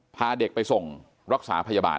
พาเด็กไปส่งรักษาพยาบาล